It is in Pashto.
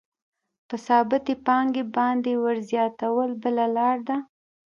په ثابتې پانګې باندې ورزیاتول بله لاره ده